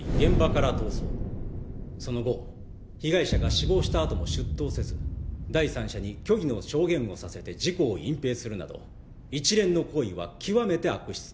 その後被害者が死亡したあとも出頭せず第三者に虚偽の証言をさせて事故を隠蔽するなど一連の行為は極めて悪質である。